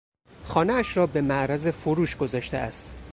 خانهاش را به معرض فروش گذاشته است.